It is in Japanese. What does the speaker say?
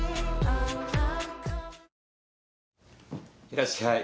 いらっしゃい。